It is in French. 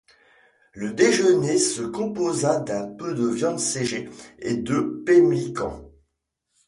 Le déjeuner se composa d’un peu de viande séchée et de pemmican.